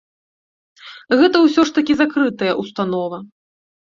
Гэта ўсё ж такі закрытая ўстанова.